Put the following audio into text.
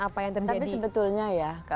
apa yang terjadi sebetulnya ya